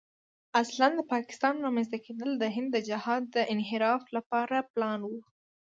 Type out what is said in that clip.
اصلاً د پاکستان رامنځته کېدل د هند د جهاد د انحراف لپاره پلان و.